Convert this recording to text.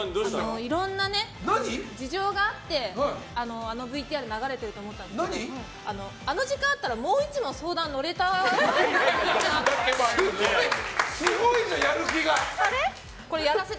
いろんな事情があってあのＶＴＲ流れてると思ったんですけどあの時間あったらもう１問、相談に乗れたなって。